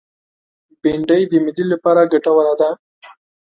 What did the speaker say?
بېنډۍ د معدې لپاره ګټوره ده